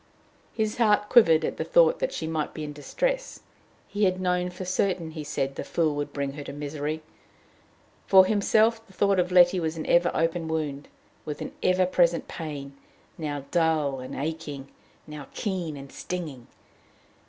His heart quivered at the thought that she might be in distress; he had known for certain, he said, the fool would bring her to misery! For himself, the thought of Letty was an ever open wound with an ever present pain, now dull and aching, now keen and stinging.